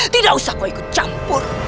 tidak usah kau ikut campur